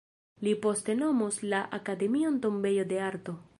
Li poste nomos la akademion "tombejo de arto.